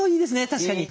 確かに。